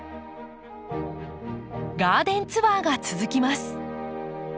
ガーデンツアーが続きます。